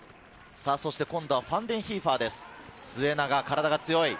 今度はファンデンヒーファーです。